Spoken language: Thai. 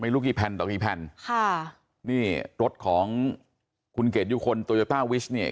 รู้กี่แผ่นต่อกี่แผ่นค่ะนี่รถของคุณเกดยุคลโตโยต้าวิชเนี่ย